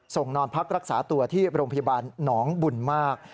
นอนพักรักษาตัวที่โรงพยาบาลหนองบุญมาก